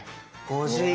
「５１」